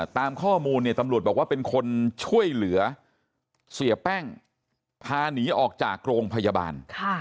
ตามข้อมูลเนี่ยตำรวจบอกว่าเป็นคนช่วยเหลือเสียแป้งพาหนีออกจากโรงพยาบาล